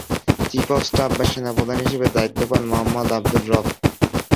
Chief of staff বা সেনাপ্রধান হিসেবে দায়িত্ব পান মোহাম্মদ আবদুর রব।